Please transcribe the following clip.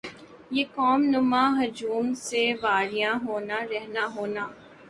یِہ قوم نما ہجوم سے واریاں ہونا رہنا ہونا